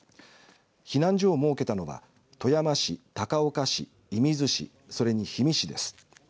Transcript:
避難所を設けたのは富山市高岡市、射水市それに氷見市です。